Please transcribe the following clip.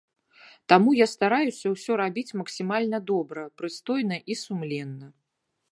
Таму я стараюся ўсё рабіць максімальна добра, прыстойна і сумленна.